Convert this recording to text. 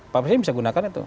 pak presiden bisa gunakan atau